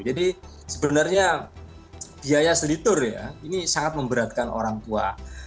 jadi sebenarnya biaya study tour ya ini sangat memberatkan orang tua